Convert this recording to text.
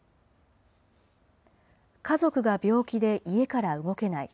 家族が病気で家から動けない。